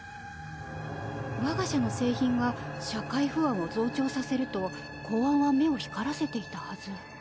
我が社の製品が社会不安を増長させると公安は目を光らせていたはず。